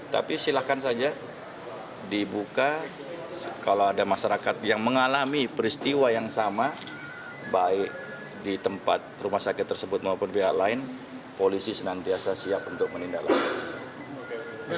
tapi silahkan saja dibuka kalau ada masyarakat yang mengalami peristiwa yang sama baik di tempat rumah sakit tersebut maupun pihak lain polisi senantiasa siap untuk menindaklanjuti